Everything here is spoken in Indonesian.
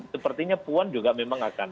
sepertinya puan juga memang akan